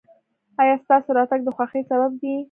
ایا ستاسو راتګ د خوښۍ سبب دی؟